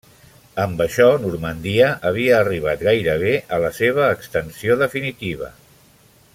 Amb això Normandia havia arribat gairebé a la seva extensió definitiva.